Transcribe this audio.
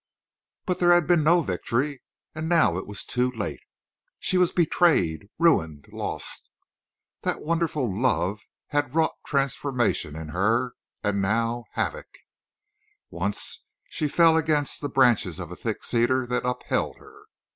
_" But there had been no victory. And now it was too late. She was betrayed, ruined, lost. That wonderful love had wrought transformation in her—and now havoc. Once she fell against the branches of a thick cedar that upheld her.